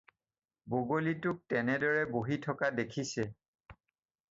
বগলীটোক তেনেদৰে বহি থকা দেখিছে।